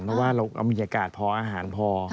เพราะว่าเรามีอากาศพออาหารพอ